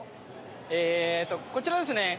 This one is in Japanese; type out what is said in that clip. えっとこちらですね